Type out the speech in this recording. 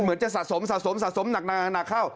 เหมือนจะสะสมสะสมสะสมหนักเข้า